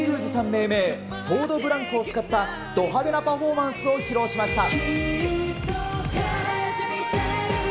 命名、ソードブランコを使ったド派手なパフォーマンスを披露しました。